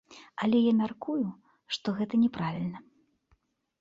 Але я мяркую, што гэта няправільна.